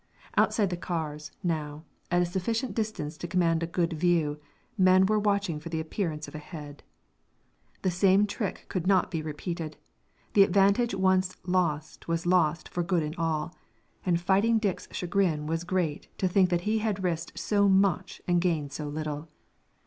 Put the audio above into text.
Outside the cars, now, at a sufficient distance to command a good view, men were watching for the appearance of a head. The same trick could not be repeated; the advantage once lost was lost for good and all, and Fighting Dick's chagrin was great to think that he had risked so much and gained so little.